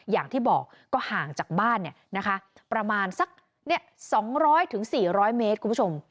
อย่างที่บอกก็ห่างจากบ้านเนี่ยนะคะประมาณสักเนี่ยสองร้อยถึงสี่ร้อยเมตรคุณผู้ชม